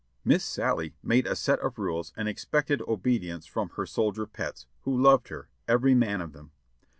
Mi: s Sallie made a set of rules and expected obedience from her soldier pets, who loved her, every man of them.